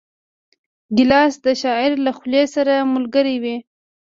ګیلاس د شاعر له خولې سره ملګری وي.